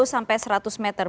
lima puluh sampai seratus meter